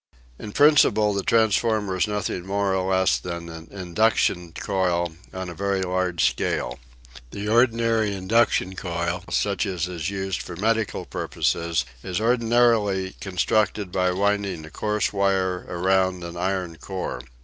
In principle the transformer is nothing more or less than an induction coil on a very large scale. The ordinary induction coil, such as is used for medical purposes, is ordinarily constructed by winding a coarse wire around an iron core.